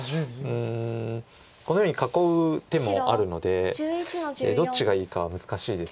このように囲う手もあるのでどっちがいいかは難しいです。